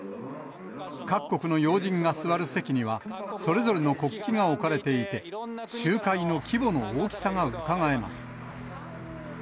各国の要人が座る席には、それぞれの国旗が置かれていて、集会の規模の大きさがうかがえます。